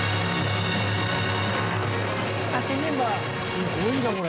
すごいなこれ。